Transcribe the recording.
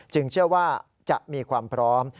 เชื่อว่าจะมีความพร้อม